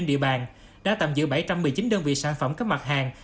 kinh doanh vàng trên địa bàn đã tạm giữ bảy trăm một mươi chín đơn vị sản phẩm các mặt hàng